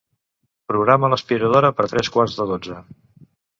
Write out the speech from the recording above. Programa l'aspiradora per a tres quarts de dotze.